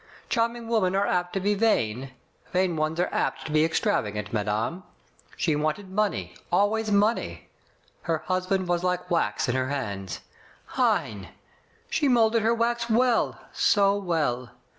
Charming women are apt to be vain ; vain ones are apt to be ex travagant, madame. She wanted money — always money. Her husband was like wax in her hands. Hein I She molded her wax well — so well.